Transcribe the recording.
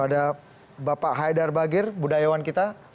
ada bapak haidar bagir budayawan kita